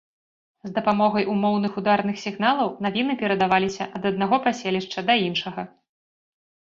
З дапамогай умоўных ударных сігналаў навіны перадаваліся ад аднаго паселішча да іншага.